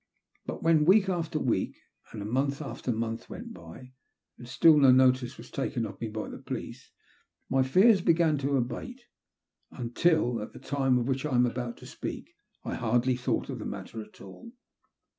But when week after week and month after month went by and still no notice was taken of me by the police, my fears began to abate until, at the time of which I am about to speak, I hardly thought of the matter at all.